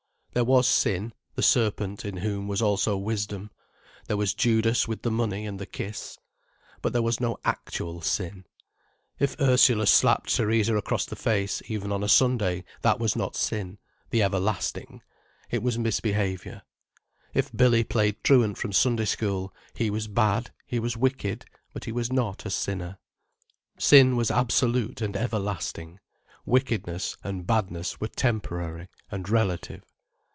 There was Sin, the serpent, in whom was also wisdom. There was Judas with the money and the kiss. But there was no actual Sin. If Ursula slapped Theresa across the face, even on a Sunday, that was not Sin, the everlasting. It was misbehaviour. If Billy played truant from Sunday school, he was bad, he was wicked, but he was not a Sinner. Sin was absolute and everlasting: wickedness and badness were temporary and relative.